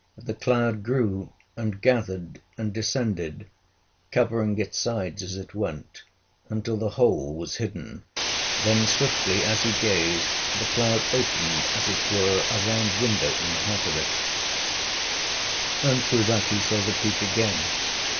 The cloud grew, and gathered, and descended, covering its sides as it went, until the whole was hidden. Then swiftly, as he gazed, the cloud opened as it were a round window in the heart of it, and through that he saw the peak again.